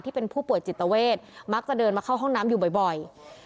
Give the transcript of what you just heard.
ที่เป็นผู้ป่วยจิตเวทมักจะเดินมาเข้าห้องน้ำอยู่บ่อย